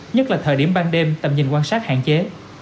nhất là thời điểm ban đêm tầm nhìn quan sát hạn chế